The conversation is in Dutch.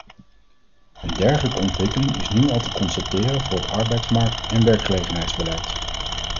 Een dergelijke ontwikkeling is nu al te constateren voor het arbeidsmarkt- en werkgelegenheidsbeleid.